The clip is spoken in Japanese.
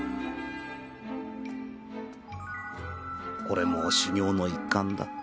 これも修行の一環だ